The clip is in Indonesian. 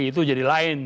itu jadi lain